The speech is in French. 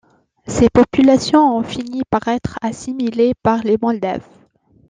Ces populations ont fini par être assimilées par les Moldaves.